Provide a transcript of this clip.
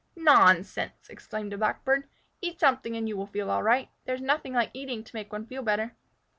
"Nonsense!" exclaimed a Blackbird. "Eat something and you will feel all right. There is nothing like eating to make one feel better."